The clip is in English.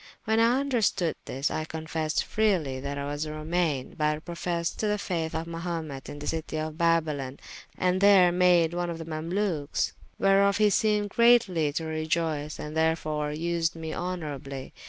When I vnderstoode this, I confessed freely, that I was a Romane, but professed to the fayth of Mahumet in the citie of Babylon, and there made one of the Mamalukes; whereof he seemed greatly to reioyce and therefore vsed me honourably.